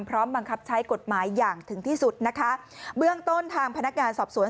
พร้อมบังคับใช้กฎหมายอย่างถึงที่สุดนะคะเบื้องต้นทางพนักงานสอบสวน